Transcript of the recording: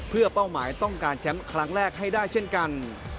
เพื่อเป้าหมายต้องการแชมป์ครั้งแรกให้ได้เช่นกัน